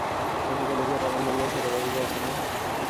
শশীকে দেখিয়া পরাণ বলিল, ছোটবাবু যে এখানে!